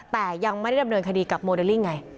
แต่ยังไม่ได้ดำเนินคดีกับโมเดลลิ่งไง